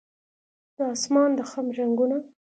د اسمان د خم رنګونه